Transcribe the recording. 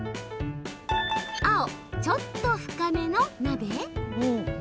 青・ちょっと深めの鍋？